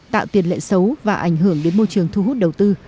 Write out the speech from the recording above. tạo tiền lệ xấu và ảnh hưởng đến môi trường thu hút đầu tư